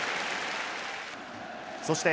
そして、